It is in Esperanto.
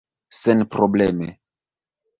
senprobleme